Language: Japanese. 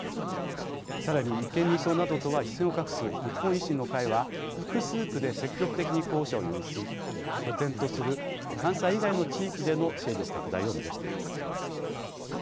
さらに立憲民主党などとは一線を画す日本維新の会は複数区で積極的に候補者を擁立し拠点とする関西以外の地域での勢力拡大を目指しています。